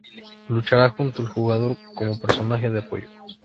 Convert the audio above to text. Luchará junto al jugador como personaje de apoyo.